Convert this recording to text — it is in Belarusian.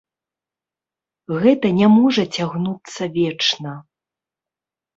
Гэта не можа цягнуцца вечна.